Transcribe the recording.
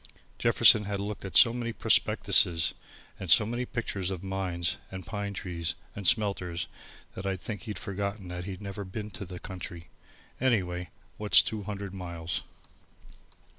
Jefferson had looked at so many prospectuses and so many pictures of mines and pine trees and smelters, that I think he'd forgotten that he'd never been in the country. Anyway, what's two hundred miles!